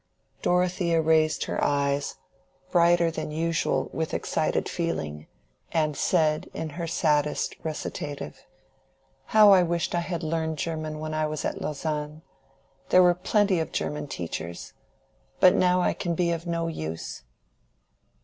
Dorothea raised her eyes, brighter than usual with excited feeling, and said in her saddest recitative, "How I wish I had learned German when I was at Lausanne! There were plenty of German teachers. But now I can be of no use."